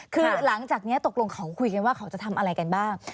คือหลังจากนี้ตกลงเขาคุยกันว่าเขาจะทำอะไรกันบ้าง